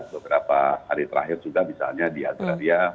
beberapa hari terakhir juga misalnya di agraria